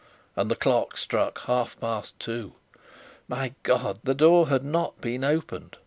And the clock struck half past two! My God! The door had not been opened!